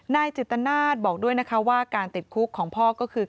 นายจิตนาศบอกด้วยนะคะว่าการติดคุกของพ่อก็คือ